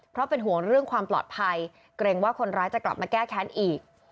เพราะเป็นห่วงเรื่องความปลอดภัยเกรงว่าคนร้ายจะกลับมาแก้แค้นอีก